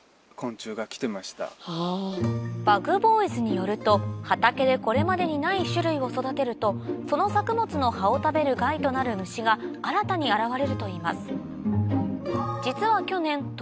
ＢｕｇＢｏｙｓによると畑でこれまでにない種類を育てるとその作物の葉を食べる害となる虫が新たに現われるといいます